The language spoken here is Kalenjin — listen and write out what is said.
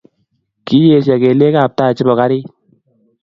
Kiyesyo kelyekab tai chebo karit